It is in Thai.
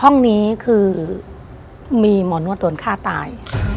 ห้องนี้คือมีหมอนวดโดนฆ่าตาย